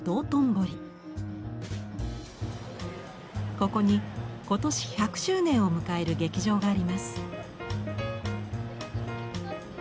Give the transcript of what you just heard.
ここに今年１００周年を迎える劇場があります。